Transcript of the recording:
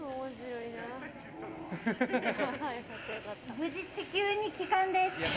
無事地球に帰還です。